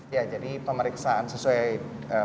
ya jadi pemeriksaan sesuai